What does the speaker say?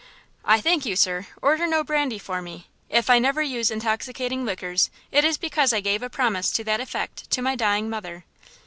"I thank you, sir. Order no brandy for me. If I never use intoxicating liquors it is because I gave a promise to that effect to my dying mother."